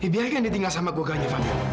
biarkan dia tinggal di keluarganya fadil